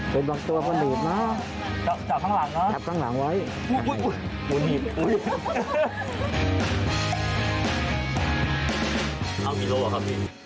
เป็นบังตัวก็หนีดมากจับข้างหลังนะจับข้างหลังไว้โอ๊ยเอากี่โลกรัมครับดิ